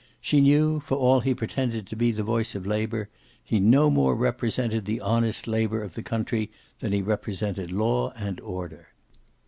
She knew, for all he pretended to be the voice of labor, he no more represented the honest labor of the country than he represented law and order.